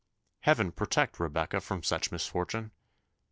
Heaven protect Rebecca from such misfortune!